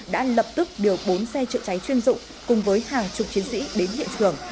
đã lập tức điều bốn xe chữa cháy chuyên dụng cùng với hàng chục chiến sĩ đến hiện trường